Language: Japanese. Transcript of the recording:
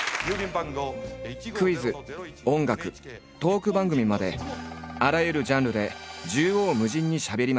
クイズ音楽トーク番組まであらゆるジャンルで縦横無尽にしゃべりまくった。